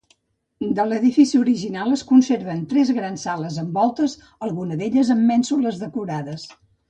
De l'edifici original es conserven tres grans sales amb voltes, alguna d'elles amb mènsules decorades.